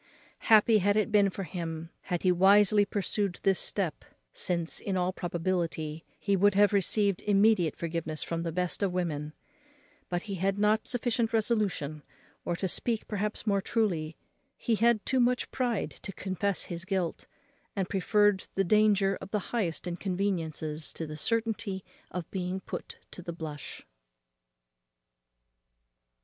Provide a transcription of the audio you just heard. Happy had it been for him, had he wisely pursued this step; since, in all probability, he would have received immediate forgiveness from the best of women; but he had not sufficient resolution, or, to speak perhaps more truly, he had too much pride, to confess his guilt, and preferred the danger of the highest inconveniences to the certainty of being put to the blush.